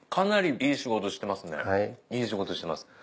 いい仕事してます。